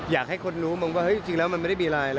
อยากให้คนรู้บ้างว่าจริงแล้วมันไม่ได้มีอะไร